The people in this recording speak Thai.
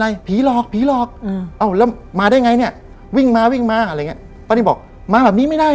ป้านิมบอกป้านิมบอกป้านิมบอกป้านิมบอกป้านิมบอกป้านิมบอกป้านิมบอก